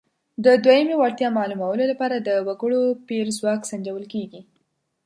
د دویمې وړتیا معلومولو لپاره د وګړو پېر ځواک سنجول کیږي.